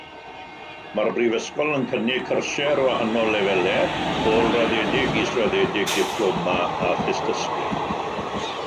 Mae'r Brifysgol yn cynnig cyrsiau ar wahanol lefelau: Ôl-raddedig, Israddedig, Diploma a Thystysgrif.